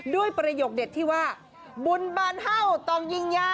ประโยคเด็ดที่ว่าบุญบานเ่าต้องยิงยา